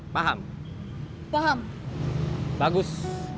paham paham bagus